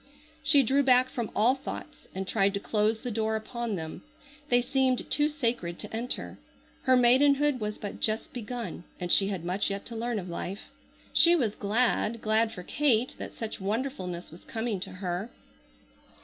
She drew back from all thoughts and tried to close the door upon them. They seemed too sacred to enter. Her maidenhood was but just begun and she had much yet to learn of life. She was glad, glad for Kate that such wonderfulness was coming to her.